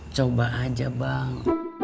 coba aja bang